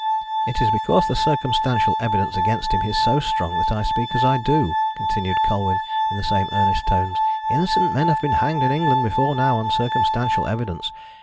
"It is because the circumstantial evidence against him is so strong that I speak as I do," continued Colwyn, in the same earnest tones. "Innocent men have been hanged in England before now on circumstantial evidence.